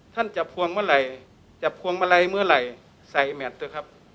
ท่านจับควงเมื่อไหร่จับควงเมื่อไหร่ใส่แมตรเถอะครับ